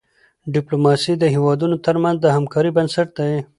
ډيپلوماسي د هېوادونو ترمنځ د همکاری بنسټ دی.